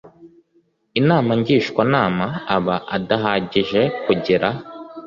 inama ngishwanama aba adahagije kugira